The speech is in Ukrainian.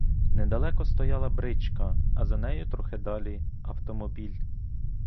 Недалеко стояла бричка, а за нею трохи далі — автомобіль.